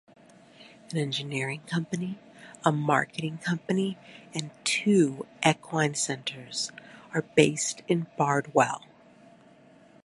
An engineering company, a marketing company and two equine centres are based in Bardwell.